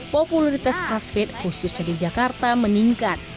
populiritas crossfit khususnya di jakarta meningkat